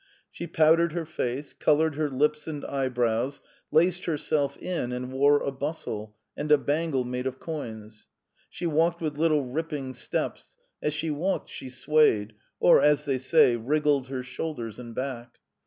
She powdered her face, coloured her lips and eyebrows, laced herself in, and wore a bustle, and a bangle made of coins. She walked with little ripping steps; as she walked she swayed, or, as they say, wriggled her shoulders and back.